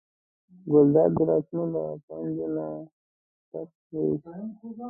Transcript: ګلداد د لاسونو له پنجو نه ټک وویست.